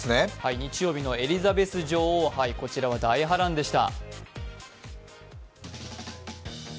日曜日のエリザベス女王杯、こちらは大波乱でした。